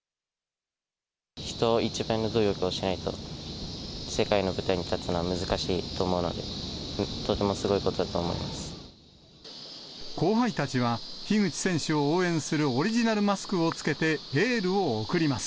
人一倍の努力をしないと、世界の舞台に立つのは難しいと思うので、後輩たちは、樋口選手を応援するオリジナルマスクを着けて、エールを送ります。